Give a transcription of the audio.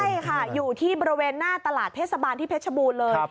ใช่ค่ะอยู่ที่บริเวณหน้าตลาดเทศบาลที่เพชรบูรณ์เลย